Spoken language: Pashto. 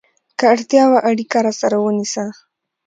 که اړتیا وه، اړیکه راسره ونیسه!